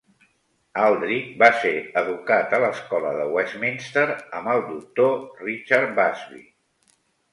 Aldrich va ser educat a l'escola de Westminster amb el doctor Richard Busby.